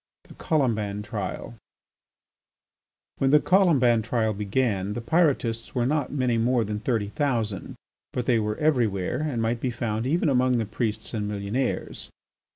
VIII. THE COLOMBAN TRIAL When the Colomban trial began, the Pyrotists were not many more than thirty thousand, but they were every where and might be found even among the priests and millionaires.